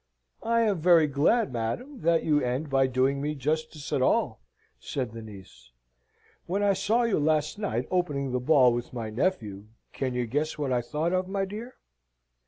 "I am very glad, madam, that you end by doing me justice at all," said the niece. "When I saw you last night, opening the ball with my nephew, can you guess what I thought of, my dear?"